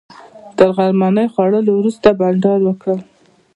تر غرمنۍ خوړلو وروسته بانډار وکړ.